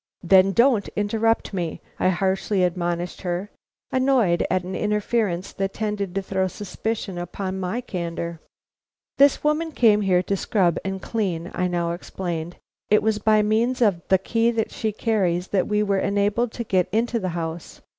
"Then don't interrupt me," I harshly admonished her, annoyed at an interference that tended to throw suspicion upon my candor. "This woman came here to scrub and clean," I now explained; "it was by means of the key she carried that we were enabled to get into the house.